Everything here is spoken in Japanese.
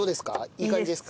いい感じですか？